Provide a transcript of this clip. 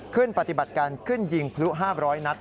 ปฏิบัติการขึ้นยิงพลุ๕๐๐นัด